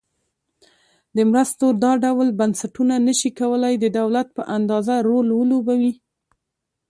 د مرستو دا ډول بنسټونه نشي کولای د دولت په اندازه رول ولوبوي.